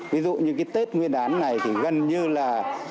ví dụ như cái tết nguyên đán này thì gần như là